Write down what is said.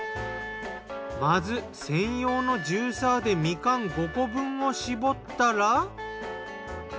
まず専用のジューサーでみかん５個分を搾ったら。